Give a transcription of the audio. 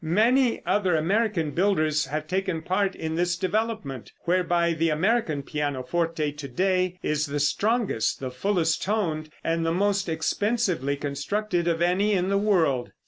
Many other American builders have taken part in this development, whereby the American pianoforte to day is the strongest, the fullest toned and the most expensively constructed of any in the world.